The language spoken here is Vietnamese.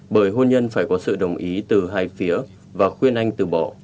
bởi hôn nhân phải có sự đồng ý từ hai phía và khuyên anh từ bỏ